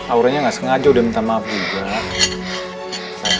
auranya gak sengaja udah minta maaf juga